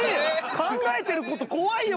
考えてること怖いよ